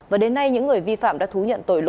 và đến nay những người vi phạm đã thú nhận tội lỗi